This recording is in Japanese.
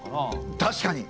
確かに！